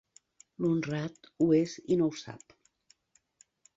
L'honrat ho és i no ho sap.